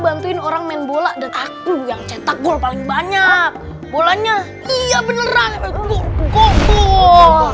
bantuin orang main bola dan aku yang cetak gol paling banyak bolanya iya beneran go go go go